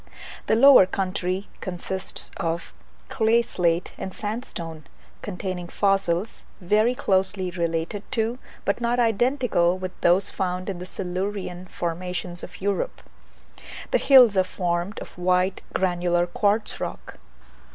The lower country consists of clay slate and sandstone, containing fossils, very closely related to, but not identical with, those found in the Silurian formations of Europe; the hills are formed of white granular quartz rock.